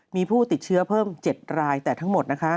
มีผู้ติดเชื้อเพิ่ม๗รายแต่ทั้งหมดนะคะ